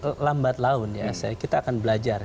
saya kira lambat laun ya kita akan belajar